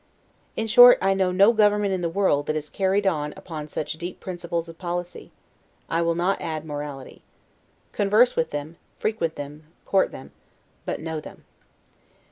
In short, I know no government in the world that is carried on upon such deep principles of policy, I will not add morality. Converse with them, frequent them, court them; but know them.